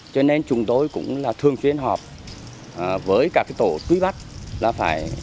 cho nên chúng tôi cũng thường xuyên họp với các tổ cúi bắt